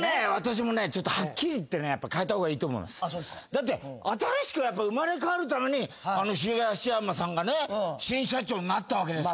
だって新しく生まれ変わるために東山さんがね新社長になったわけですから。